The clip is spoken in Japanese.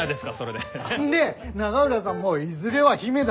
で永浦さんもいずれは姫だ。